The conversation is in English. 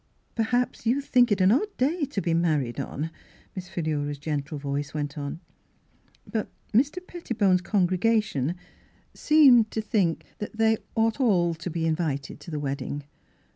" Perhaps you think it an odd day to be married on," Miss Philura's gentle voice went on, " but Mr. Pettibone's con gregation seemed to think that they ought all to be invited to the wedding.